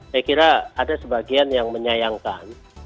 saya kira ada sebagian yang menyayangkan